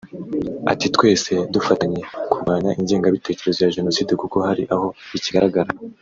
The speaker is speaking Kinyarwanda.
Ati “Twese dufatanye kurwanya ingengabitekerezo ya Jenoside kuko hari aho ikigaragara